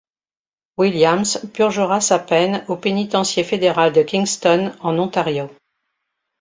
Williams purgera sa peine au pénitencier fédéral de Kingston, en Ontario.